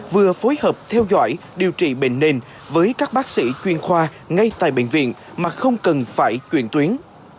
vừa phối hợp theo dõi điều trị bệnh nền với các bác sĩ chuyên khoa ngay tại bệnh viện mà không cần phải chuyển tuyến